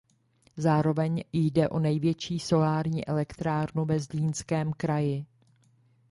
Zároveň jde o největší solární elektrárnu ve Zlínském kraji.